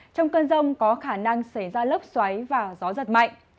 trong cơn rông có khả năng xảy ra lốc xoáy và gió giật mạnh